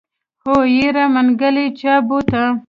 هو يره منګلی چا بوته.